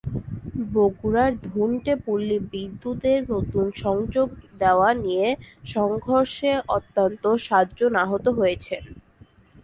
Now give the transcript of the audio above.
বগুড়ার ধুনটে পল্লী বিদ্যুতের নতুন সংযোগ দেওয়া নিয়ে সংঘর্ষে অন্তত সাতজন আহত হয়েছেন।